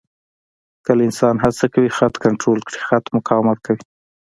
کله انسان هڅه کوي خط کنټرول کړي، خط مقاومت کوي.